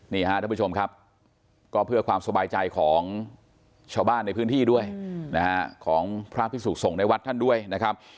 ท่านผู้ชมครับก็เพื่อความสบายใจของชาวบ้านในพื้นที่ด้วยนะฮะของพระพิสุสงฆ์ในวัดท่านด้วยนะครับ